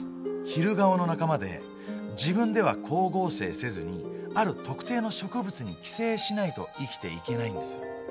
ヒルガオの仲間で自分では光合成せずにある特定の植物に寄生しないと生きていけないんです。